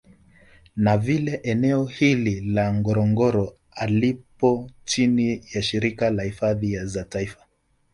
Na vile eneo hili la Ngorongoro halipo chini ya shirika la hifadhi za taifa